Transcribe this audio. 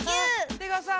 出川さん